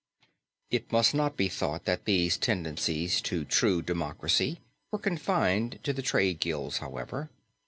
It must not be thought that these tendencies to true democracy were confined to the trades guilds, however.